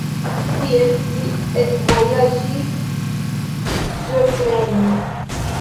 Tiel li ekvojaĝis ĝojplene.